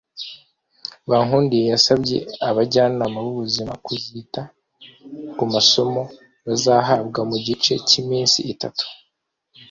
Bankundiye yasabye abajyanama b’ubuzima kuzita ku masomo bazahabwa mu gihe cy’iminsi itatu